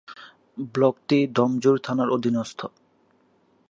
ব্লকটি ডোমজুড় থানার অধীনস্থ।